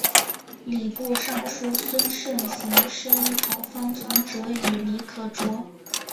礼部尚书孙慎行声讨方从哲与李可灼。